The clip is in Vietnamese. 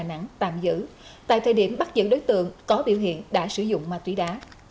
đà nẵng tạm giữ tại thời điểm bắt giữ đối tượng có biểu hiện đã sử dụng ma túy đá